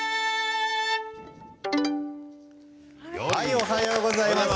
おはようございます。